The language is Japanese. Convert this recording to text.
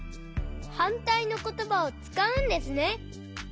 はんたいのことばをつかうんですね。